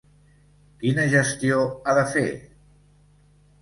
Quina gestió ha de fer?